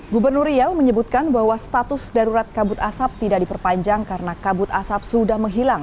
gubernur riau menyebutkan bahwa status darurat kabut asap tidak diperpanjang karena kabut asap sudah menghilang